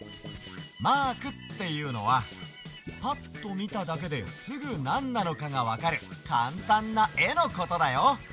マークっていうのはパッとみただけですぐなんなのかがわかるカンタンなえのことだよ！